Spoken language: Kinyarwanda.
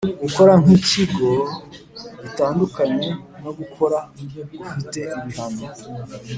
gukora nk ikigo gutandukanye no gukora gufite ibihano